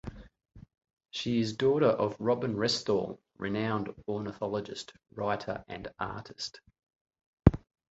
She is daughter of Robin Restall, renowned ornithologist, writer and artist.